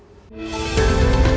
jadi itu yang kita lakukan